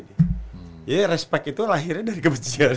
jadi respect itu lahirnya dari kebencian